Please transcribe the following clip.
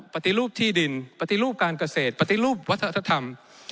ปฏิรูปที่ดินปฏิรูปการเกษตรปฏิรูปวัฒนธรรม